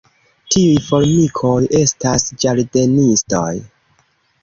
Tiuj formikoj estas ĝardenistoj.